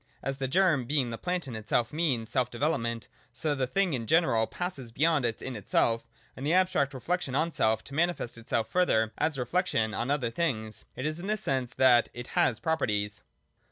As the germ, being the plant in itself, means self development, so the thing in general passes beyond its in itself, (the abstract reflection on self,) to manifest itself further as a reflection on other things. It is in this sense that it has properties.